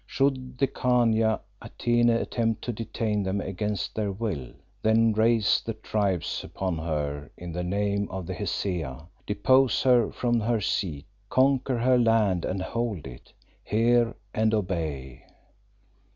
Should the Khania Atene attempt to detain them against their will, then raise the Tribes upon her in the name of the Hesea; depose her from her seat, conquer her land and hold it. Hear and obey."